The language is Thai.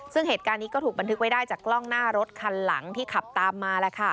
ซึ่งเหตุการณ์นี้ก็ถูกบันทึกไว้ได้จากกล้องหน้ารถคันหลังที่ขับตามมา